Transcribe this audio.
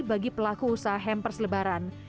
bagi pelaku usaha hampers lebaran